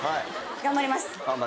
頑張ります。